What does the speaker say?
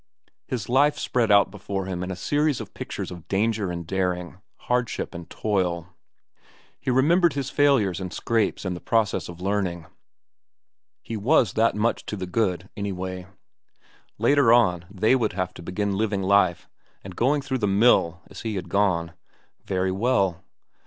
His life spread out before him in a series of pictures of danger and daring, hardship and toil. He remembered his failures and scrapes in the process of learning. He was that much to the good, anyway. Later on they would have to begin living life and going through the mill as he had gone. Very well.